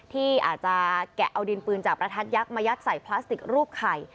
ที่อาจจะแกะเอาดินปืนจากประทัดยักษ์มายัดใส่พลาสติกรูปไข่